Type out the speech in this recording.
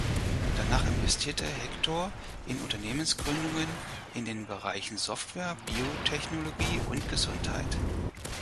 Danach investierte Hector in Unternehmensgründungen in den Bereichen Software, Biotechnologie und Gesundheit.